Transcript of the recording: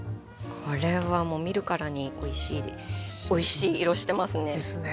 これはもう見るからにおいしい色してますね。ですね。